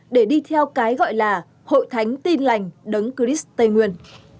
để đi theo cái gọi là hội thánh tin lành đấng christ tây nguyên